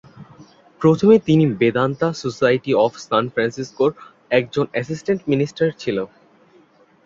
প্রথমে তিনি Vedanta society of San ফ্রান্সিসকোর একজন অ্যাসিস্ট্যান্ট মিনিস্টার ছিলে।